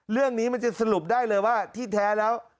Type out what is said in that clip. เรื่องนี้มันจะสรุปได้เลยว่าที่แท้แล้ว